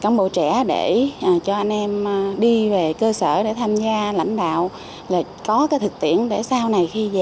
cán bộ trẻ để cho anh em đi về cơ sở để tham gia lãnh đạo có thực tiễn để sau này khi về thì bố trí